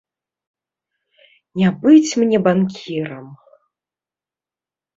Не быць мне банкірам.